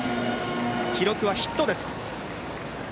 記録はヒットです。